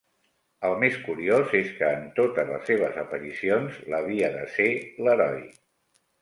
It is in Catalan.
El més curiós és que en totes les seves aparicions, l'havia de ser l'heroi.